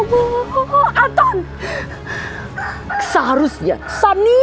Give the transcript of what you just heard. tuh jadi kayak di situ jadi